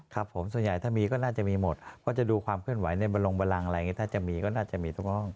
ครับผมส่วนใหญ่ถ้ามีก็น่าจะมีหมดเพราะจะดูความเคลื่อนไหวในบรงบรังอะไรอย่างนี้ถ้าจะมีก็น่าจะมีทุกห้อง